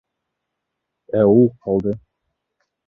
Ә ул ҡалды.